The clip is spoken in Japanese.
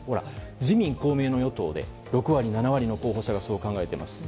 自民・公明の与党で６割、７割の候補者がそう考えています。